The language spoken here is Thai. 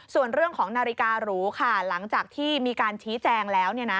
ส่วนเรื่องของนาฬิการูค่ะหลังจากที่มีการชี้แจงแล้ว